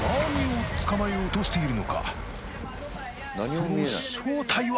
その正体は？